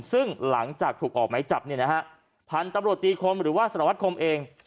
ซึ่งหลังจากถูกออกไหมจับเนี่ยนะฮะพันธุ์ตำรวจตีคมหรือว่าสารวัตรคมเอง